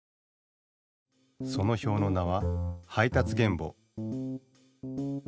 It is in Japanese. その表の名は配達原簿。